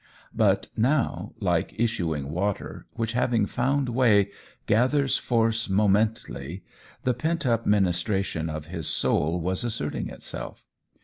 But now, like issuing water, which, having found way, gathers force momently, the pent up ministration of his soul was asserting itself.